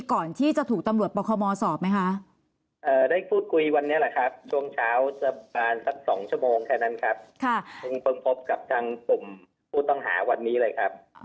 แค่นั้นครับคุณพึงพบกับทางปุ่มผู้ต้องหาวันนี้เลยครับ